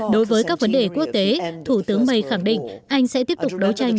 đối với các vấn đề quốc tế thủ tướng may khẳng định anh sẽ tiếp tục đấu tranh